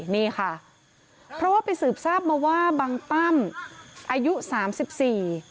นี่ค่ะเพราะว่าไปสืบทราบมาว่าบังตั้มอายุสามสิบสี่